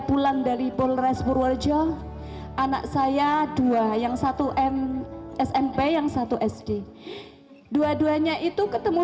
pulang dari polres purworejo anak saya dua yang satu m smp yang satu sd dua duanya itu ketemu